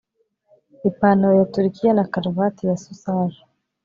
ipantaro ya turkiya na cravat ya sausage